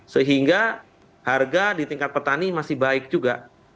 sehingga harga di tingkat petani masih baik juga